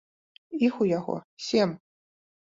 Іх у яго сем.